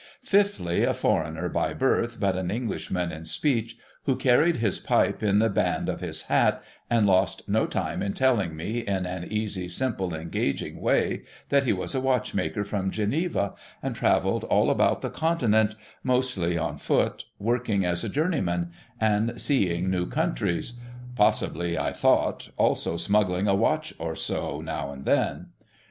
Fifthly, a foreigner by birth, but an Englishman in speech, who carried his pipe in the band of his hat, and lost no time in telling me, in an easy, simple, engaging way, that he was a watch maker from Geneva, and travelled all about the Continent, mostly on foot, working as a journeyman, and seeing new countries, — possibly (I thouglit) also smuggling a watch or so, now and then.